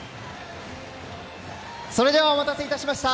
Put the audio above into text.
それではお待たせいたしました。